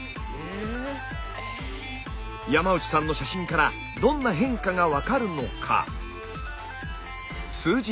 山内さんの写真からどんな変化が分かるのか？